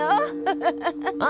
フフフッ。